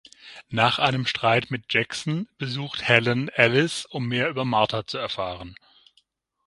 Nach einem Streit mit Jackson besucht Helen Alice, um mehr über Martha zu erfahren.